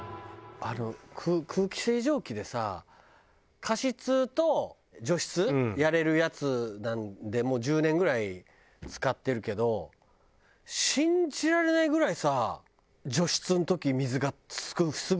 あの空気清浄機でさ加湿と除湿やれるやつでもう１０年ぐらい使ってるけど信じられないぐらいさ除湿の時水がすぐたまるんだけどさ。